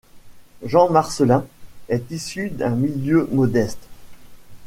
Jean Marcellin est issu d'un milieu modeste.